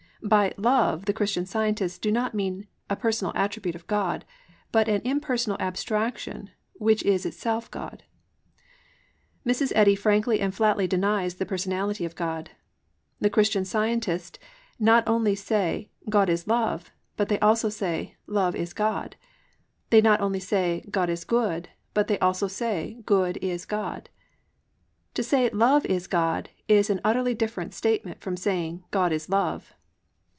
By "love" the Christian Scientists do not mean a personal attribute of God, but an impersonal abstraction which is itself God. Mrs. Eddy frankly and flatly denies the personality of God. The Christian Scientists not only say, "God is love," but they also say, "Love is God." They not only say, "God is good," but they also say, "Good is God." To say "Love is God" is an utterly different statement from saying, "God is love."